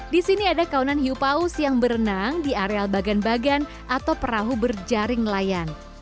di sini ada kawanan hiu paus yang berenang di areal bagan bagan atau perahu berjaring layan